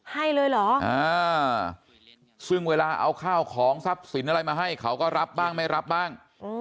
ให้เลยเหรอซึ่งเวลาเอาข้าวของทรัพย์สินอะไรมาให้เขาก็รับบ้างไม่รับบ้าง